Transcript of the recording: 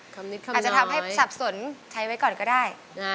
คำนิดคำน้อยอาจจะทำให้สับสนใช้ไว้ก่อนก็ได้